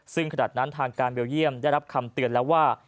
ซึ่งขณะนั้นทางการเบลเยี่ยมได้รับคำเตือนแล้วว่า